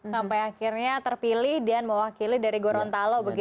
sampai akhirnya terpilih dan mewakili dari gorontalo begitu ya